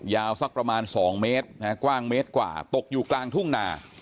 สักประมาณ๒เมตรกว้างเมตรกว่าตกอยู่กลางทุ่งนา